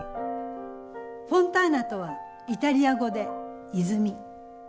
「フォンターナ」とはイタリア語で「泉」。